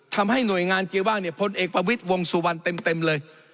ทำให้หน่วยงานเกียร์ว่างเนี่ยพลเอกประวิทย์วงสุวรรณเต็มเลย